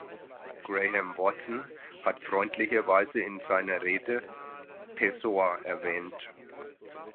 Graham Watson hat freundlicherweise in seiner Rede Pessoa erwähnt.